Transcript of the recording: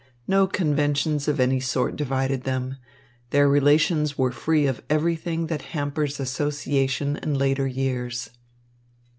No conventions of any sort divided them. Their relations were free of everything that hampers association in later years.